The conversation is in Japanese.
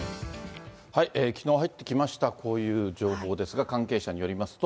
きのう入ってきました、こういう情報ですが、関係者によりますと。